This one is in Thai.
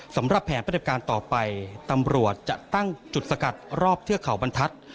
สำหรับแผนปฏิบัติการต่อไปตำรวจจะตั้งจุดสกัดรอบเทือกเขาบรรทัศน์